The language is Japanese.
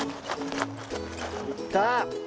いった！